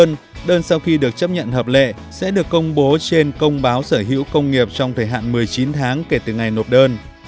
đơn sau khi được chấp nhận hợp lệ sẽ được công bố trên công báo sở hữu công nghiệp trong thời hạn một mươi chín tháng kể từ ngày nộp đơn